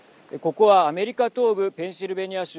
ここはアメリカ東部ペンシルベニア州